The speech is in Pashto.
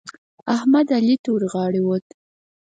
احمد؛ علي ته ورغاړه وت.